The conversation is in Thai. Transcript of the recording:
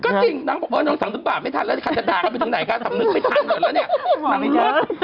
ก็จริงนางบอกเออนางสำนึกบาทไม่ทันแล้วใครจะด่ากันไปถึงไหนคะสำนึกไม่ทันหมดแล้วเนี่ย